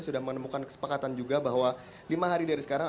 sudah menemukan kesepakatan juga bahwa lima hari dari sekarang